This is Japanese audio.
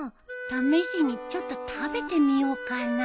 試しにちょっと食べてみようかな？